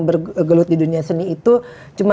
bergelut di dunia seni itu cuma